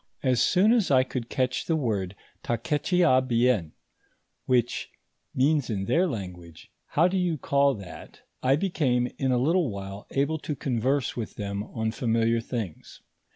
As soon as I could catch the word Taketchiabihen, which means in their language, " How do you call that," I became, in a little while, able to converse with them on familiar things.